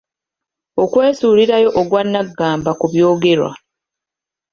Okwesuulirayo ogwannaggamba ku byogerwa.